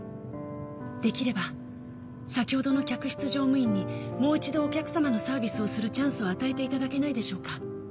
できれば先ほどの客室乗務員にもう一度お客さまのサービスをするチャンスを与えていただけないでしょうか？